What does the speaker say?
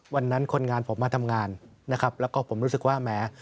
วันนั้นคนงานผมมาทำงานนะครับแล้วก็ผมรู้สึกว่าแหม